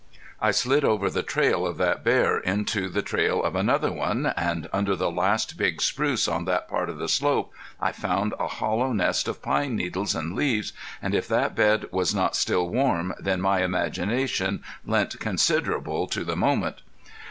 I slid over the trail of that bear into the trail of another one, and under the last big spruce on that part of the slope I found a hollow nest of pine needles and leaves, and if that bed was not still warm then my imagination lent considerable to the moment.